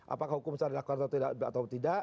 apakah hukum bisa dilakukan atau tidak